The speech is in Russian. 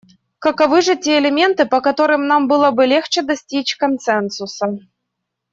Каковы же те элементы, по которым нам было бы легче достичь консенсуса?